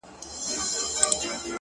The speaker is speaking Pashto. • پرون مُلا وو کتاب پرانیستی,